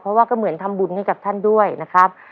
เพราะว่าก็เหมือนทำบุญให้กับท่านด้วยนะครับ